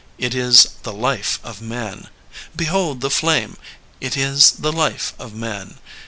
It is the life of Man. Behold the flame — ^it is the life of Man.